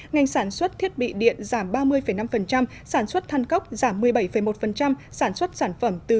ngành sản xuất thiết bị điện giảm ba mươi năm sản xuất than cốc giảm một mươi bảy một sản xuất sản phẩm từ